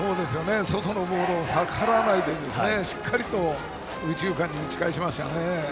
外のボールに逆らわないでしっかりと右中間に打ち返しましたね。